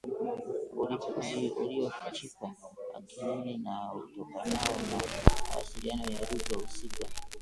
uliofichika akilini na utokanao na mawasiliano ya lugha husika